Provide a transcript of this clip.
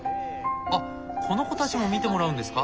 あっこの子たちも診てもらうんですか？